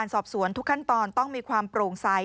สอบสวนทุกขั้นตอนต้องมีความโปร่งใส